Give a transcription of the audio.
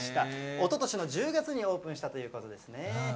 おととしの１０月にオープンしたということですね。